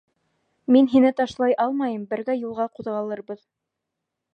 Мин һине ташлай алмайым, бергә юлға ҡуҙғалырбыҙ.